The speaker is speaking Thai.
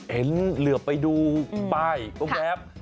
เห็นเหลือไปดูป้ายตรงแวฟ